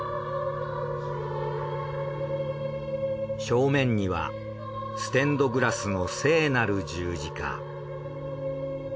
正面にはステンドグラスの聖なる十字架。